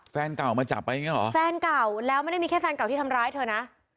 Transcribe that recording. แฟนเก่ามาจับไปอย่างเงี้เหรอแฟนเก่าแล้วไม่ได้มีแค่แฟนเก่าที่ทำร้ายเธอนะ